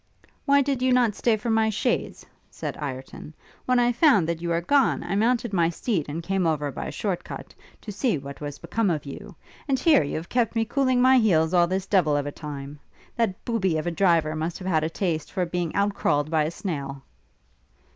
'Why did not you stay for my chaise?' said Ireton. 'When I found that you were gone, I mounted my steed, and came over by a short cut, to see what was become of you; and here you have kept me cooling my heels all this devil of a time. That booby of a driver must have had a taste for being out crawled by a snail.'